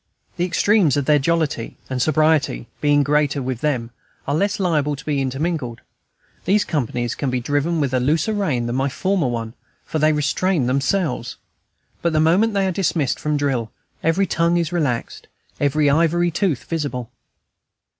The extremes of jollity and sobriety, being greater with them, are less liable to be intermingled; these companies can be driven with a looser rein than my former one, for they restrain themselves; but the moment they are dismissed from drill every tongue is relaxed and every ivory tooth visible.